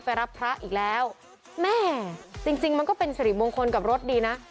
รับพระอีกแล้วแม่จริงจริงมันก็เป็นสิริมงคลกับรถดีนะ